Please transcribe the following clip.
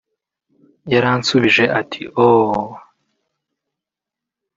yaransubije ati ‘Oh